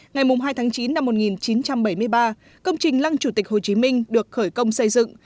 ngày hai tháng chín năm một nghìn chín trăm bảy mươi ba công trình lăng chủ tịch hồ chí minh được khởi công xây dựng